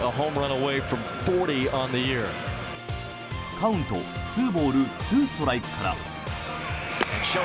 カウント２ボール２ストライクから。